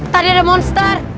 tadi ada monster